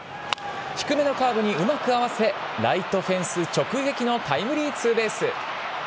低めのカーブにうまく合わせ、ライトフェンス直撃のタイムリーツーベース。